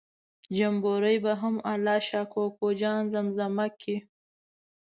جمبوري به هم الله شا کوکو جان زمزمه کړ.